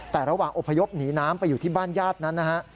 แต่ระหว่างอพยพหนีน้ำไปอยู่ที่บ้านญาตินั้นนะฮะ